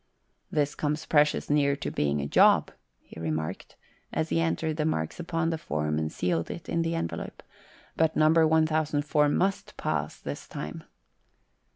" This comes precious near to being a job," he remarked, as he entered the marks upon the form and sealed it in the envelope, "but No. 1004 must pass, this time."